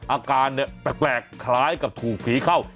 อาการเนี่ยแปลกคล้ายกับถูกผีเข้า